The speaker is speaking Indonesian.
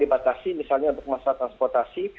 dibatasi misalnya untuk masalah transportasi